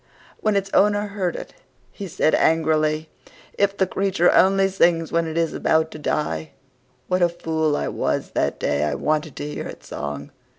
When its owner heard it, he said angrily, "If the creature only sings when it is about to die, what a fool I was that day I wanted to hear its song!